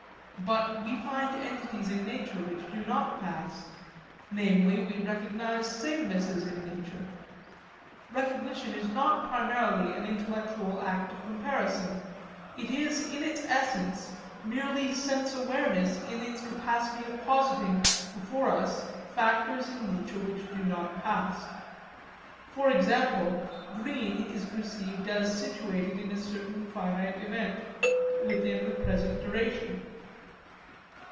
But we find entities in nature which do not pass; namely we recognise samenesses in nature. Recognition is not primarily an intellectual act of comparison; it is in its essence merely sense awareness in its capacity of positing before us factors in nature which do not pass. For example, green is perceived as situated in a certain finite event within the present duration.